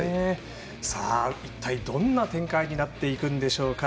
一体どんな展開になっていくんでしょうか。